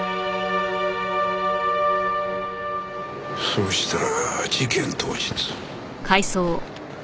そうしたら事件当日。